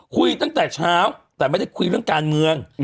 คุยตั้งแต่เช้าแต่ไม่ได้คุยเรื่องการเมือง